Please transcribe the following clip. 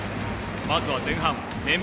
まずは前半年俸